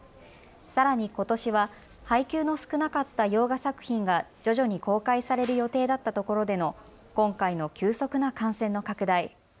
さらに、ことしは配給の少なかった洋画作品が徐々に公開される予定だったところでの今回の急速な感染の拡大。